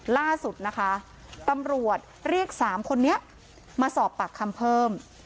ล่าสุดนะคะตำรวจเรียก๓คนนี้มาสอบปากคำเพิ่ม